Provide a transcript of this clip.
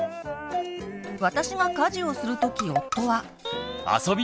私が家事をするとき夫は。